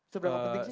seberapa penting sih